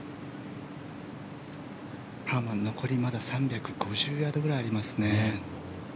ハーマン残り３５０ヤードくらいありますね。